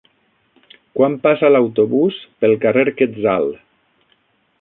Quan passa l'autobús pel carrer Quetzal?